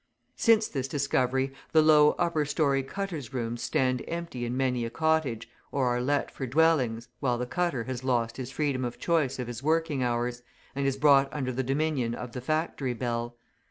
Since this discovery, the low upper storey cutters' rooms stand empty in many a cottage, or are let for dwellings, while the cutter has lost his freedom of choice of his working hours, and is brought under the dominion of the factory bell.